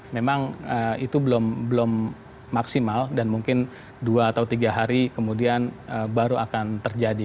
memang itu belum maksimal dan mungkin dua atau tiga hari kemudian baru akan terjadi